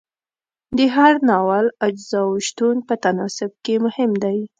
د هر ناول اجزاو شتون په تناسب کې مهم دی.